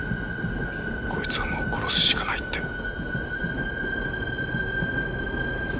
こいつはもう殺すしかないって。